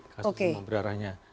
kasus demam berdarahnya